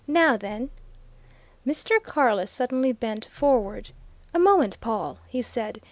Now, then " Mr. Carless suddenly bent forward. "A moment, Pawle!" he said.